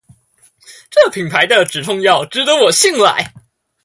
這品牌的止痛藥值得我信賴